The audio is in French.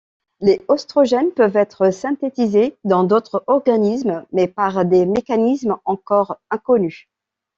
Les œstrogènes peuvent être synthétisés dans d'autres organismes, mais par des mécanismes encore inconnus.